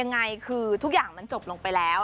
ยังไงคือทุกอย่างมันจบลงไปแล้ว